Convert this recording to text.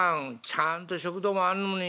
ちゃんと食堂もあんのに。